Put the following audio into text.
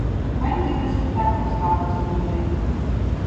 Меґґі досить тепло ставиться до людей.